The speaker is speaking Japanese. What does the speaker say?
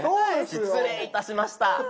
失礼いたしました。